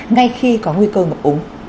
ngay khi có nguy cơ ngập úng